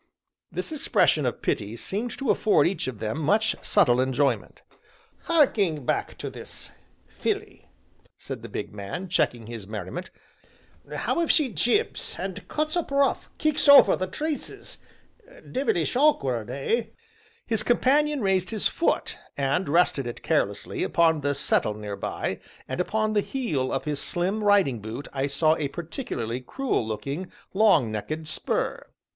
This expression of pity seemed to afford each of them much subtle enjoyment. "Harking back to this filly," said the big man, checking his merriment, "how if she jibs, and cuts up rough, kicks over the traces devilish awkward, eh?" His companion raised his foot and rested it carelessly, upon the settle near by, and upon the heel of his slim riding boot I saw a particularly cruel looking, long necked spur.